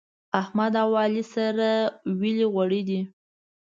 احمد او علي سره ويلي غوړي دي.